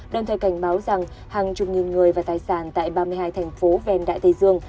đồng thời cảnh báo rằng hàng chục nghìn người và tài sản tại ba mươi hai thành phố ven đại tây dương